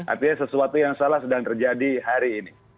artinya sesuatu yang salah sedang terjadi hari ini